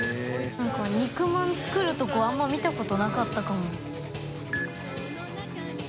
何か肉まん作るとこあんま見たことなかったかも。